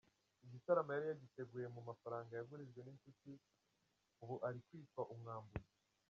Igitaramo yari yagiteguye mu mafaranga yagurijwe n’inshuti, ubu ari kwitwa umwambuzi.